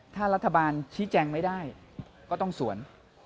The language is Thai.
ถ้ารัฐบาลชี้แจงไม่ได้ก็ต้องสวน